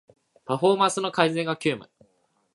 パフォーマンスの改善が急務